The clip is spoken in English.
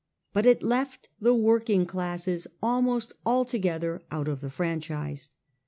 But it left the working classes almost altogether out of the franchise.